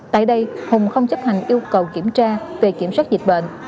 tại đây hùng không chấp hành yêu cầu kiểm tra về kiểm soát dịch bệnh